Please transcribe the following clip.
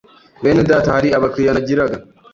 Bene data hari aba clients nagiraga